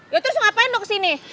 ya terus ngapain lu kesini